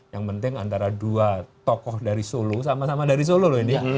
yang penting antara dua tokoh dari solo sama sama dari solo loh ini ya